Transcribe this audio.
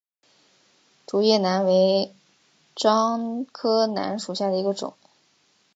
竹叶楠为樟科楠属下的一个种。